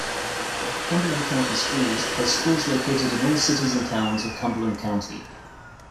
Cumberland County Schools has schools located in all cities and towns of Cumberland County.